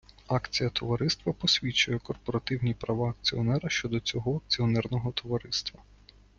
Акція товариства посвідчує корпоративні права акціонера щодо цього акціонерного товариства.